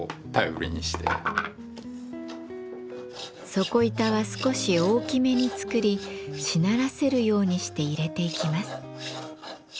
底板は少し大きめに作りしならせるようにして入れていきます。